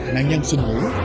nạn nhân sinh mũi